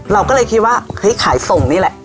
เราก็เลยคิดว่าเฮ้ยขายส่งนี่แหละ